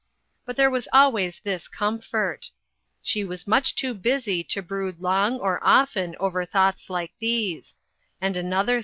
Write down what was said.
But there was always this comfort; she was much too busy to brood long or often over thoughts like these ; and another 423 424 INTERRUPTED.